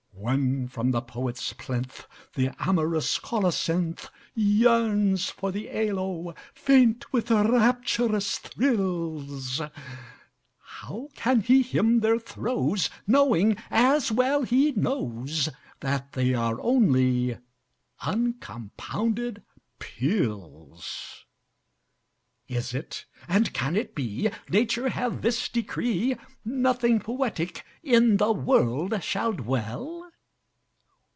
When from the poet's plinth The amorous colocynth Yearns for the aloe, faint with rapturous thrills, How can he hymn their throes Knowing, as well he knows, That they are only uncompounded pills? Is it, and can it be, Nature hath this decree, Nothing poetic in the world shall dwell?